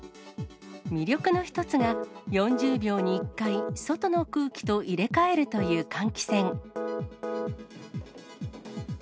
魅力の一つが、４０秒に１回、外の空気と入れ替えるという換気扇。